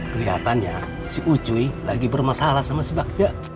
keliatannya si ucuy lagi bermasalah sama si bagja